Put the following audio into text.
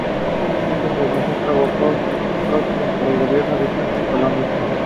He was the representative of the Soviet Army in African countries.